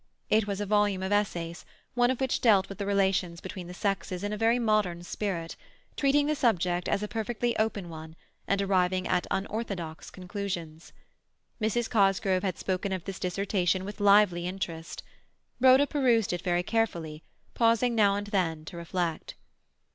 It was a volume of essays, one of which dealt with the relations between the sexes in a very modern spirit, treating the subject as a perfectly open one, and arriving at unorthodox conclusions. Mrs. Cosgrove had spoken of this dissertation with lively interest. Rhoda perused it very carefully, pausing now and then to reflect.